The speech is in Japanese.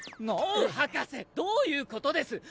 ノウ博士どういうことです？